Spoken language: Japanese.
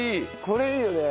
これいいよね。